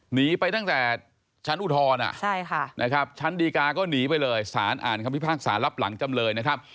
หนีไปตั้งแต่ชั้นอุทธรณ์นะครับชั้นดีกาก็หนีไปเลยสารอ่านคำพิพากษารับหลังจำเลยนะครับ